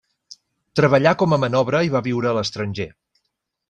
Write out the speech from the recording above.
Treballà com a manobre i va viure a l'estranger.